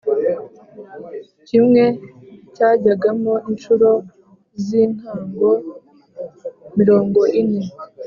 kimwe cyajyagamo incuro z’intango mirongo ine